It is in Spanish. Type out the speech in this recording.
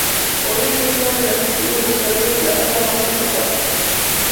Hoy en día es una de las antiguas vocalistas de la banda más recordadas.